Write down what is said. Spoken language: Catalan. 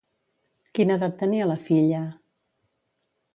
Quina edat tenia la filla?